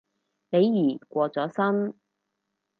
李怡過咗身